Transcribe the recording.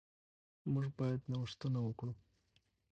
موږ باید نوښتونه وکړو.